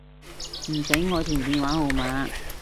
唔使我填電話號碼